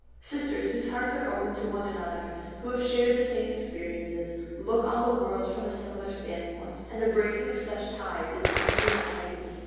Sisters whose hearts are open to one another, who have shared the same experiences, look on the world from a similar standpoint, and the breaking of such ties is severe agony.